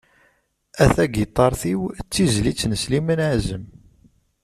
"A tagiṭart-iw", d tizlit n Sliman Ԑazem.